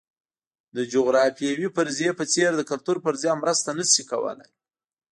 د جغرافیوي فرضیې په څېر د کلتور فرضیه مرسته نه شي کولای.